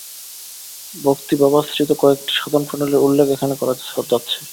ভক্তিভাবাশ্রিত কয়েকটি সাধনপ্রণালীর উল্লেখ এখানে করা যাচ্ছে।